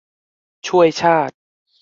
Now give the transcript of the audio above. ช่วยชาติ !